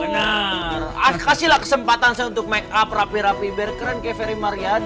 benar kasihlah kesempatan saya untuk makeup rapi rapi biar keren kayak ferry maryadi